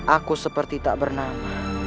aku seperti tak bernama